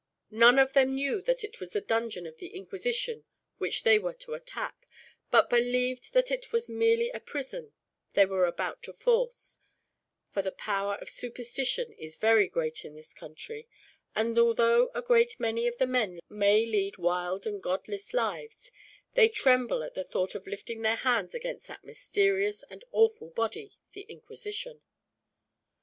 None of them knew that it was the dungeon of the Inquisition which they were to attack, but believed that it was merely a prison they were about to force; for the power of superstition is very great in this country, and although a great many of the men may lead wild and godless lives, they tremble at the thought of lifting their hands against that mysterious and awful body, the Inquisition.